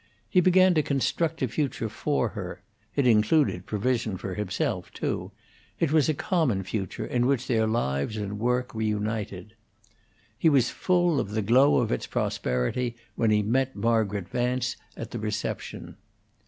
He began to construct a future for her; it included provision for himself, too; it was a common future, in which their lives and work were united. He was full of the glow of its prosperity when he met Margaret Vance at the reception.